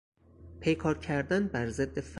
پیکار کردن بر ضد فقر